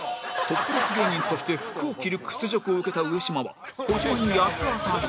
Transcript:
トップレス芸人として服を着る屈辱を受けた上島は小島に八つ当たり